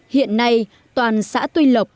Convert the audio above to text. hiện nay toàn xã tuy lộc